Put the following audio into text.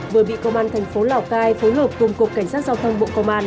vừa bị công an thành phố lào cai phối hợp cùng cục cảnh sát giao thông bộ công an